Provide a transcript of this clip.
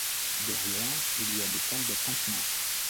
Derrière, il y a des tentes de campement.